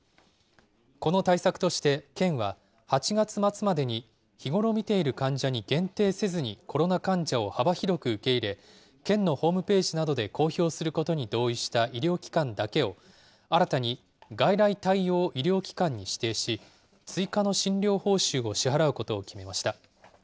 この対策として、県は８月末までに日頃診ている患者に限定せずにコロナ患者を幅広く受け入れ、県のホームページなどで公表することに同意した医療機関だけを、新たに外来対応医療機関に指定し、追加の診療報酬を支払うことを決めました。